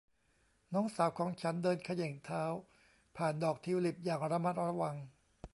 น้องสาวของฉันเดินเขย่งเท้าผ่านดอกทิวลิปอย่างระมัดระวัง